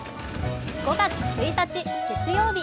５月１日月曜日。